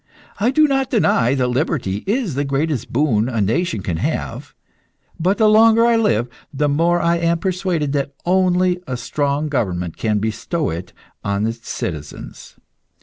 I do not deny that liberty is the greatest boon a nation can have. But the longer I live the more I am persuaded that only a strong government can bestow it on the citizens.